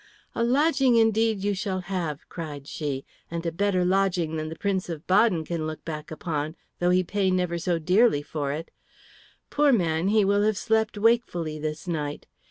"A lodging indeed you shall have," cried she, "and a better lodging than the Prince of Baden can look back upon, though he pay never so dearly for it. Poor man, he will have slept wakefully this night!